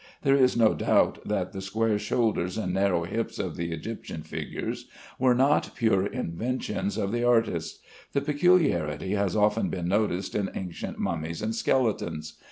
There is no doubt that the square shoulders and narrow hips of the Egyptian figures were not pure inventions of the artists. The peculiarity has often been noticed in ancient mummies and skeletons.